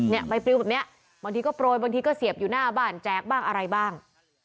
เนี่ยใบปลิวมาบางที่ก็โปรยวิ้งอยู่หน้าบ้านแจ๊กบ้างอะไรบ้าง